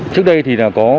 trước đây thì